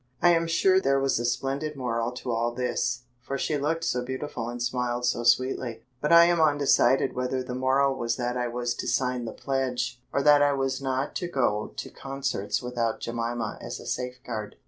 I am sure there was a splendid moral to all this, for she looked so beautiful and smiled so sweetly; but I am undecided whether the moral was that I was to sign the pledge, or that I was not to go to concerts without Jemima as a safeguard.